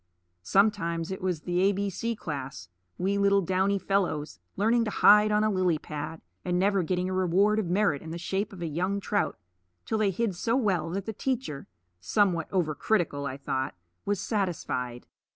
Sometimes it was the a b c class, wee little downy fellows, learning to hide on a lily pad, and never getting a reward of merit in the shape of a young trout till they hid so well that the teacher (somewhat over critical, I thought) was satisfied.